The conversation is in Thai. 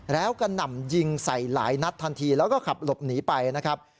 แล้วก็หนำยิงใส่หลายนัดทันทีแล้วก็ขับหลบหนีไปนะครับ